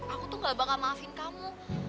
aku tuh gak bakal maafin kamu